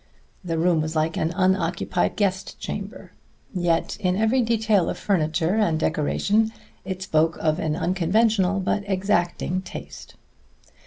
The room was like an unoccupied guest chamber. Yet in every detail of furniture and decoration it spoke of an unconventional but exacting taste.